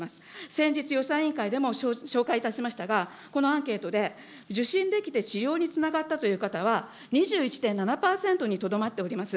先日、予算委員会でも紹介いたしましたが、このアンケートで、受診できて治療につながったという方は、２１．７％にとどまっております。